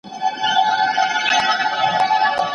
عدالت د زورواکو مخه نیسي.